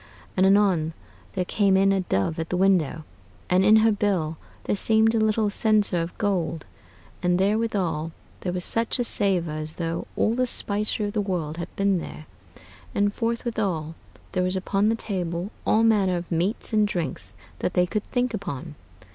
And anon there came in a dove at the window, and in her bill there seemed a little censer of gold, and therewithal there was such a savor as though all the spicery of the world had been there; and forthwithal there was upon the table all manner of meates and drinkes that they could thinke upon.